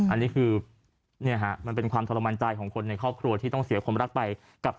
อันนี้คือเนี่ยฮะมันเป็นความทรมานใจของคนในครอบครัวที่ต้องเสียความรักไปกับ